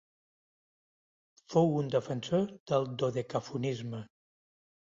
Fou un defensor del dodecafonisme.